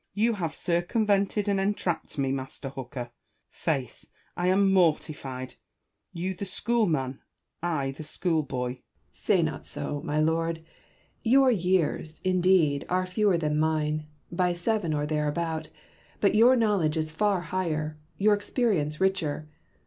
Bacon. You have circumvented and entrapped me. Master Hooker. Faith ! I am mortified : you the school man, I the schoolboy ! Hooker. Say not so, my Lord. Your years, indeed, are fewer than mine, by seven or thereabout ; but your know ledge is far higher, your experience richer.